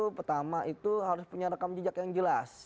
pertama itu harus punya rekam jejak yang jelas